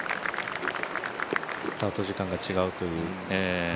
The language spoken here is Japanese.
スタート時間が違うという。